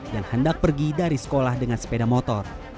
yang hendak pergi dari sekolah dengan sepeda motor